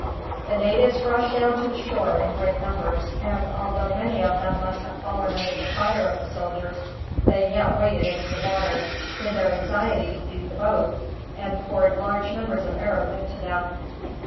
The natives rushed down to the shore in great numbers, and although many of them must have fallen under the fire of the soldiers, they yet waded into the water, in their anxiety to seize the boats, and poured large numbers of arrows into them.